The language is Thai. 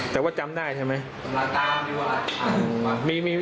แต่ว่าจำได้ใช่ไหม